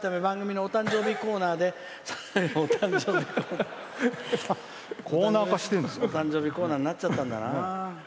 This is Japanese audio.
お誕生日コーナーになっちゃったんだな。